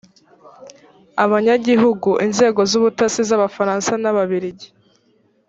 abanyagihugu inzego z ubutasi z abafaransa n ababirigi